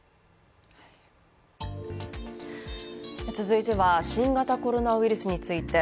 続いては新型コロナウイルスについて。